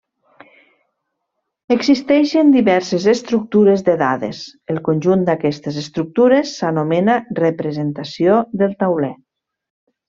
Existeixen diverses estructures de dades; el conjunt d'aquestes estructures s'anomena representació del tauler.